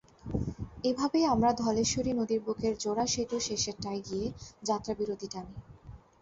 এভাবেই আমরা ধলেশ্বরী নদীর বুকের জোড়া সেতুর শেষেরটায় গিয়ে যাত্রাবিরতি টানি।